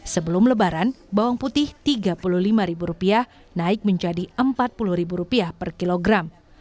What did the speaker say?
sebelum lebaran bawang putih rp tiga puluh lima naik menjadi rp empat puluh per kilogram